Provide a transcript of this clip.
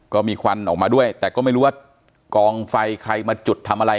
ควันออกมาด้วยแต่ก็ไม่รู้ว่ากองไฟใครมาจุดทำอะไร